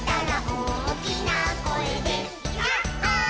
「おおきなこえでヤッホー」